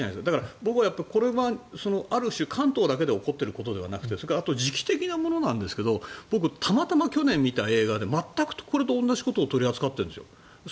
僕はこれがある種、関東だけで起こってることじゃなくてあと、時期的なものなんですが僕、たまたま去年映画で全くこれと同じことを取り扱ってるんです。